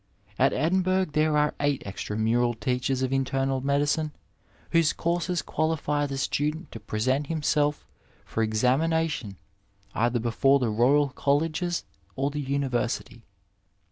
At Edinburgh there are eight extra mural teachers of internal medicine whose courses qualify the student to present himself for examination either before the Royal Colleges or the University.